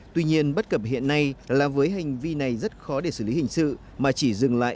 tuy nhiên bất cập hiện nay là với hành vi này rất khó để xử lý hình sự mà chỉ dừng lại